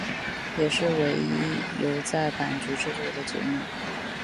也是唯一由在阪局制作的节目。